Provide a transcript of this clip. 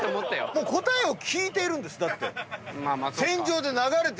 もう答えを聞いているんです。